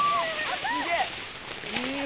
すげえ！